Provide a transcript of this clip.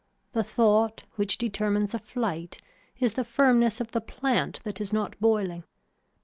The thought which determines a flight is the firmness of the plant that is not boiling.